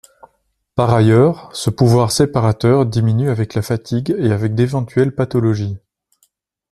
Par ailleurs, ce pouvoir séparateur diminue avec la fatigue et avec d'éventuelles pathologies.